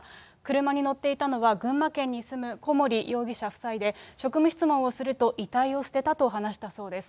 車に乗っていたのは、群馬県に住む小森容疑者夫妻で、職務質問をすると、遺体を捨てたと話したそうです。